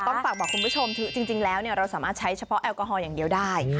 ฝากบอกคุณผู้ชมจริงแล้วเราสามารถใช้เฉพาะแอลกอฮอลอย่างเดียวได้